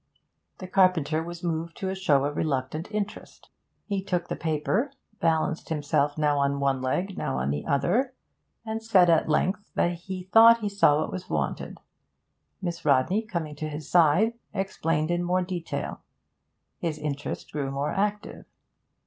The carpenter was moved to a show of reluctant interest. He took the paper, balanced himself now on one leg, now on the other, and said at length that he thought he saw what was wanted. Miss Rodney, coming to his side, explained in more detail; his interest grew more active.